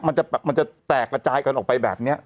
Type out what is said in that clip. มันจะแปลกแตกตะจายกันออกไปแบบเนี้ย